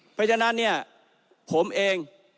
เพราะฉะนั้นเนี่ยผมเอง